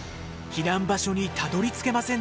避難場所にたどりつけませんでした。